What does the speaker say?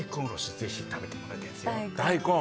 ぜひ食べてもらいたい大根？